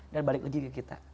dan balik lagi ke kita